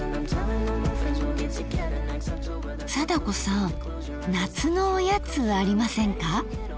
貞子さん夏のおやつありませんか？